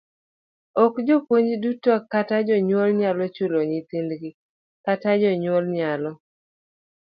Ok jopuonj duto kata jonyuol nyalo chulo nyithindgi kata japuonj nyalo